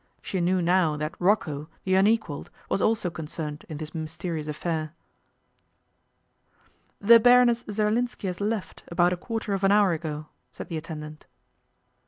She knew now that Rocco, the unequalled, was also concerned in this mysterious affair. 'The Baroness Zerlinski has left, about a quarter of an hour ago,' said the attendant.